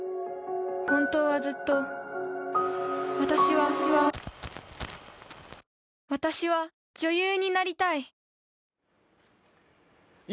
本当はずっと、私は私は女優になりたい。